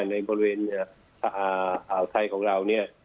ในบริเวณอาวุธไทยของเรานี้